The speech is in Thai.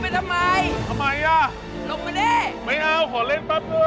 ทำไมลงมาด้วยไม่เอาขอเล่นปั๊บดู